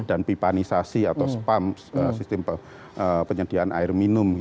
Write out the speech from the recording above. dan pipanisasi atau spam sistem penyediaan air minum gitu